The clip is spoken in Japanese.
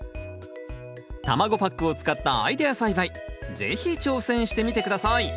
卵パックを使ったアイデア栽培是非挑戦してみて下さい。